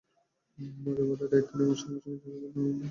নতুন পদের দায়িত্ব নেওয়ার সঙ্গে সঙ্গে জেনারেল পদে পদোন্নতি হবে তাঁদের।